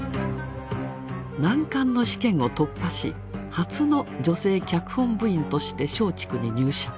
難関の試験を突破し初の女性脚本部員として松竹に入社。